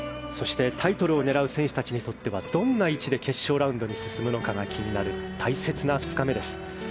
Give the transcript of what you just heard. タイトルを狙う選手たちにとってはどんな位置で決勝ラウンドに進むのかが気になる大切な２日目です。